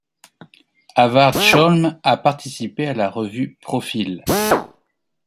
Haavardsholm a participé à la revue Profil.